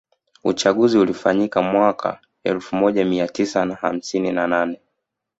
Uchaguzi ulifanyika mwaka elfu moja Mia tisa na hamsini na nane